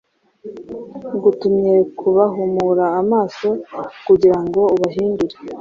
Ngutumye kubahumura amaso kugira ngo ubahindure,